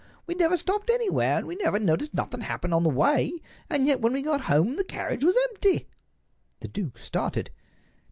We never stopped anywhere, and we never noticed nothing happen on the way; and yet when we got home the carriage was empty." The duke started.